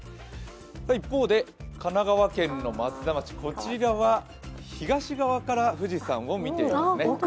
一方で神奈川県の松田町、こちらは東側から富士山を見ていますね。